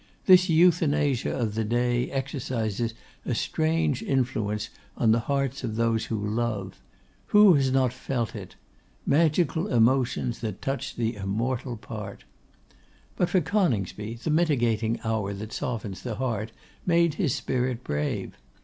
This euthanasia of the day exercises a strange influence on the hearts of those who love. Who has not felt it? Magical emotions that touch the immortal part! But as for Coningsby, the mitigating hour that softens the heart made his spirit brave.